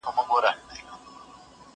زه پرون ليکنې وکړې؟